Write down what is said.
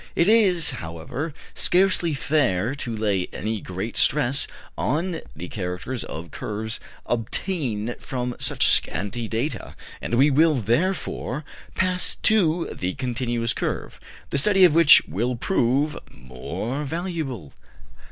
It is, however, scarcely fair to lay any great stress on the characters of curves obtained from such scanty data, and we will, therefore, pass to the continuous curve, the study of which will prove more valuable.